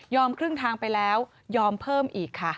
ยอมครึ่งทางไปแล้วยอมเพิ่มอีก